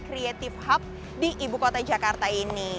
creative hub di ibu kota jakarta ini